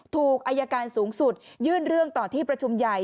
ถูกอายการสูงสุดยื่นเรื่องต่อที่ประชุมใหญ่